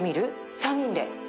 ３人で。